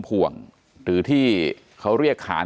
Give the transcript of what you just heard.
เป็นวันที่๑๕ธนวาคมแต่คุณผู้ชมค่ะกลายเป็นวันที่๑๕ธนวาคม